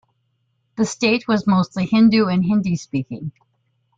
The state was mostly Hindu and Hindi-speaking.